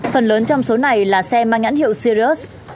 phần lớn trong số này là xe mang nhãn hiệu sirius